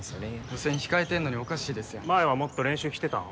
予選控えてんのにおかしいですやん前はもっと練習来てたん？